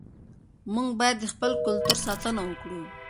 موږ باید د خپل کلتور ساتنه وکړو.